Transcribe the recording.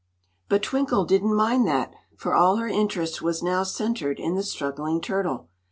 But Twinkle didn't mind that, for all her interest was now centered in the struggling turtle.